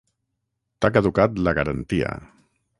T'ha caducat la garantia.